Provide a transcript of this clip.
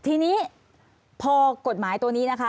ทีนี้พอกฎหมายตัวนี้นะคะ